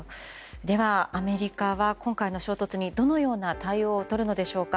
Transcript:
アメリカは今回の衝突にどのような対応をとるのでしょうか。